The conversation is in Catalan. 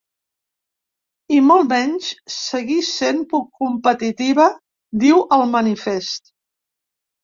I molt menys, seguir sent competitiva, diu el manifest.